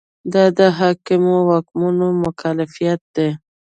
دا د حاکمو واکمنو مکلفیت دی.